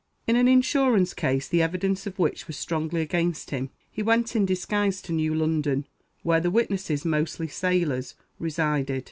"In an insurance case, the evidence of which was strongly against him, he went in disguise to New London, where the witnesses, mostly sailors, resided.